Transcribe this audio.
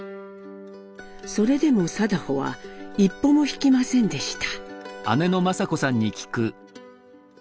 それでも禎穗は一歩も引きませんでした。